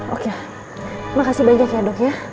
oke makasih banyak ya dok ya